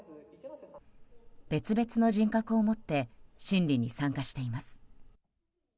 別々の人格を持って審理に参加しています。